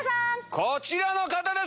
こちらの方です。